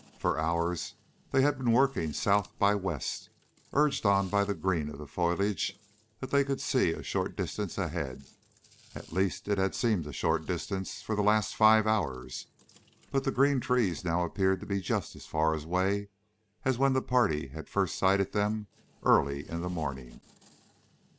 For hours they had been working south by west, urged on by the green of the foliage that they could see a short distance ahead. At least it had seemed a short distance for the last five hours, but the green trees now appeared to be just as far away as when the party had first sighted them early in the morning.